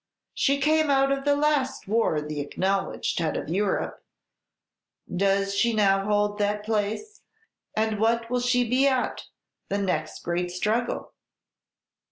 She came out of the last war the acknowledged head of Europe: does she now hold that place, and what will she be at the next great struggle?"